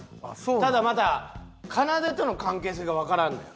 ただまだかなでとの関係性がわからんのよ。